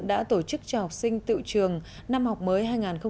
đã tổ chức cho học sinh tự trường năm học mới hai nghìn một mươi sáu hai nghìn một mươi bảy